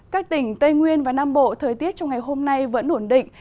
các tỉnh tây nguyên và nam bộ thời tiết trong ngày hôm nay vẫn ổn định